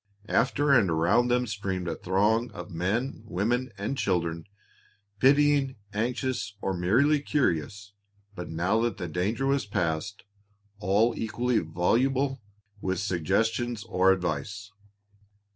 After and around them streamed a throng of men, women, and children, pitying, anxious, or merely curious, but, now that the danger was past, all equally voluble with suggestions or advice.